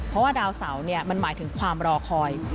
เพราะว่าดาวเสาร์หมายถึงความรอคอย